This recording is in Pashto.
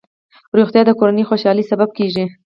روغتیا د کورنۍ خوشحالۍ سبب کېږي.